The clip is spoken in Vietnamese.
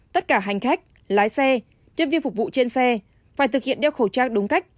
tất cả hành khách lái xe nhân viên phục vụ trên xe phải thực hiện đeo khẩu trang đúng cách